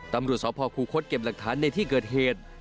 ตำรวจสพคูคศเก็บหลักฐานในที่เกิดเหตุ